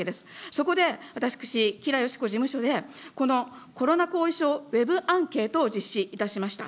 そこで、私、吉良よし子事務所でこのコロナ後遺症ウェブアンケートを実施いたしました。